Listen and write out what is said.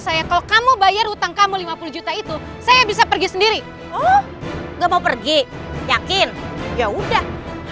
saya kalau kamu bayar utang kamu lima puluh juta itu saya bisa pergi sendiri oh enggak mau pergi yakin ya udah